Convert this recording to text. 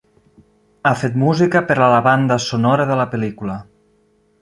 Ha fet música per a la banda sonora de la pel·lícula.